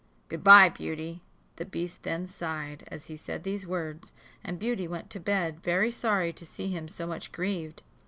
Good bye, Beauty!" The beast then sighed as he said these words, and Beauty went to bed very sorry to see him so much grieved.